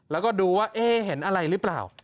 แล้วก็ดูว่าเห็นอะไรหรือเปล่า